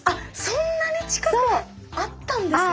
そんなに近くにあったんですね？